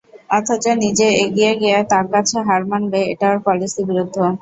অথচ নিজে এগিয়ে গিয়ে তার কাছে হার মানবে এটা ওর পলিসি-বিরুদ্ধ।